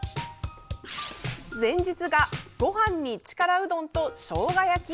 前日が、ごはんに力うどんとしょうが焼き。